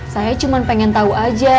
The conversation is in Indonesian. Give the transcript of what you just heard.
saya cuman pengen tau aja